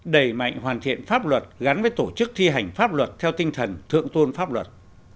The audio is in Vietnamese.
đẩy mạnh hoàn thiện pháp luật gắn với tổ chức thi hành pháp luật theo tinh thần thượng tôn pháp luật